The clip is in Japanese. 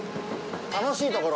楽しいところ。